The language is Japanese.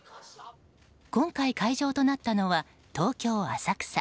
今回、会場となったのは東京・浅草。